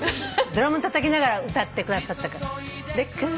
ドラムたたきながら歌ってくださったから。